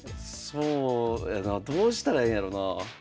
そうやなどうしたらええんやろな。